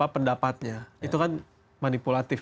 pendapatnya itu kan manipulatif